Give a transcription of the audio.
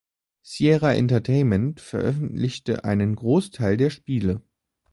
Sierra Entertainment veröffentlichte einen Großteil der Spiele.